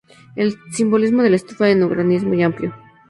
El simbolismo de la estufa en Ucrania es muy amplio.